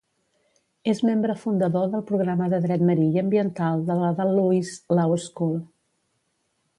És membre fundador del programa de dret marí i ambiental de la Dalhousie Law School.